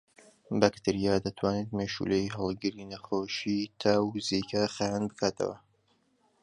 بەکتریا دەتوانێت مێشولەی هەڵگری نەخۆشیی تا و زیکا خاوێن بکاتەوە